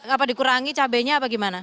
apa dikurangi cabainya apa gimana